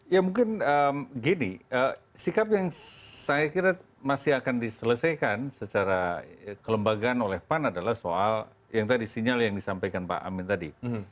ya mungkin gini sikap yang saya kira masih akan diselesaikan secara kelembagaan oleh pan adalah soal yang tadi sinyal yang disampaikan pak amin tadi